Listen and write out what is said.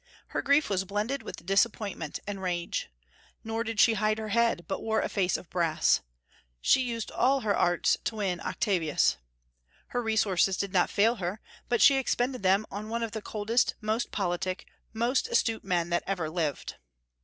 Her grief was blended with disappointment and rage. Nor did she hide her head, but wore a face of brass. She used all her arts to win Octavius. Her resources did not fail her; but she expended them on one of the coldest, most politic, and most astute men that ever lived.